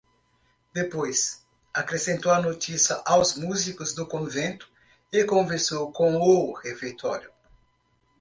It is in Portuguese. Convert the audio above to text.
Depois, acrescentou a notícia aos músicos do convento e conversou com o refeitório.